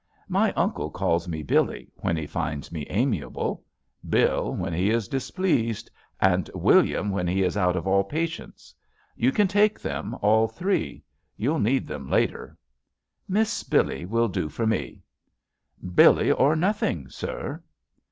"My uncle calls me Billee, when he finds me amiable ; Bill, when he is displeased, and William, when he is out of all patience. You can take them all three. You'll need them later." "Miss Billee will do for me." "Billee, or nothing, sir!"